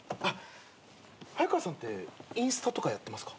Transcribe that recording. ハヤカワさんってインスタとかやってますか？